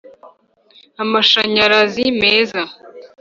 amashanyarazi meza.